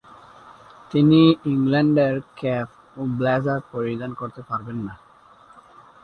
তিনি ইংল্যান্ডের ক্যাপ ও ব্লেজার পরিধান করতে পারবেন না।